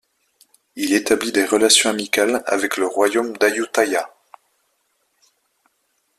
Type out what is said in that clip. Il établit des relations amicales avec le royaume d'Ayutthaya.